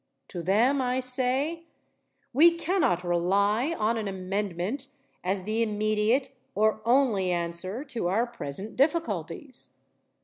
To them I say: we cannot rely on an amendment as the immediate or only answer to our present difficulties.